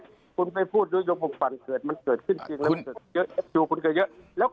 ไม่ได้พูดโดยยมหุ่งปันมันเกิดขึ้นจริง